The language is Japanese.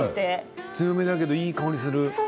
強めだけどいい香りがする。